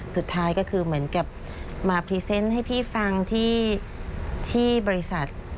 สุดท้ายก็คือเหมือนกับมาพรีเซนต์ให้พี่ฟังที่บริษัท